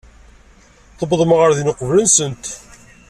Tuwḍem ɣer din uqbel-nsent.